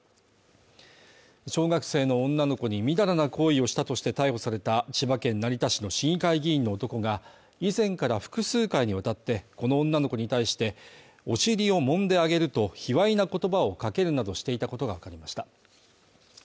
小学生の女の子にみだらな行為をしたとして逮捕された千葉県成田市の市議会議員の男が、以前から複数回にわたって、この女の子に対しておしりをもんであげると、卑猥な言葉をかけるなどしていたことがわかりました。